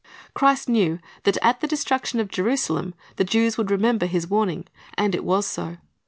Christ knew that at the destruction of Jerusalem the Jews w^ould remember His warning. And it was so.